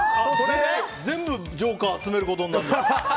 全部ジョーカー集めることになるじゃん。